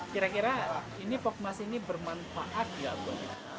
kira kira ini pokmas ini bermanfaat gak